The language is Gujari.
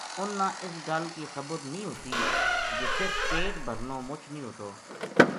اُنھ نا اس گل خبر نیہہ ہوتی جے صرف پیٹ بھرنو مُچ نیہہ ہوتو